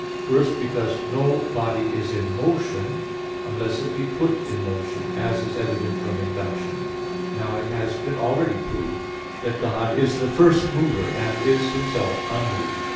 First, because no body is in motion unless it be put in motion, as is evident from induction. Now it has been already proved (Q. 2, A. 3), that God is the First Mover, and is Himself unmoved.